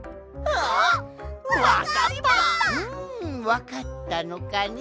うんわかったのかね？